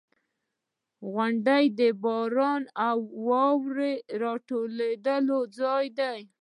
• غونډۍ د باران او واورې د راټولېدو ځای دی.